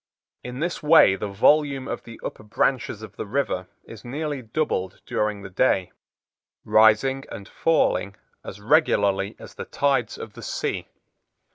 In this way the volume of the upper branches of the river is nearly doubled during the day, rising and falling as regularly as the tides of the sea.